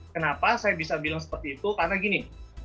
kenapa saya bisa bilang seperti itu karena gini